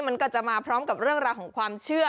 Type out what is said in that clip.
มันก็จะมาพร้อมกับเรื่องราวของความเชื่อ